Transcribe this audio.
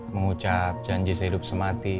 mengucap janji sehidup semati